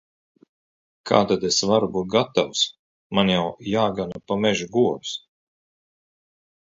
Kā tad es varu būt gatavs! Man jau jāgana pa mežu govis.